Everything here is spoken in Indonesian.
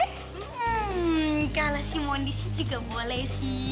hmm kalah si mondi sih juga boleh sih